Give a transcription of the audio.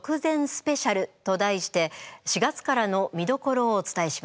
スペシャル」と題して４月からの見どころをお伝えします。